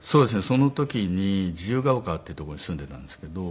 その時に自由が丘っていう所に住んでいたんですけど。